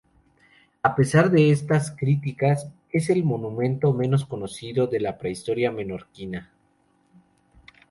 A pesar de estas cifras, es el monumento menos conocido de la prehistoria menorquina.